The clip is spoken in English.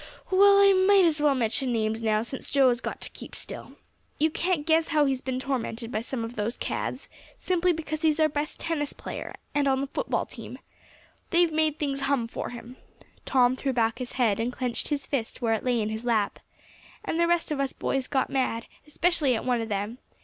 Well, I might as well mention names now, since Joe has got to keep still. You can't guess how he's been tormented by some of those cads, simply because he's our best tennis player, and on the football team. They've made things hum for him!" Tom threw back his head, and clenched his fist where it lay in his lap. "And the rest of us boys got mad, especially at one of them.